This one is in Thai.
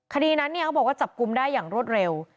คดีนั้นเนี่ยเขาบอกว่าจับกลุ่มได้อย่างรวดเร็ว